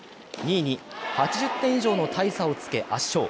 ２位に８０点以上の大差をつけ圧勝。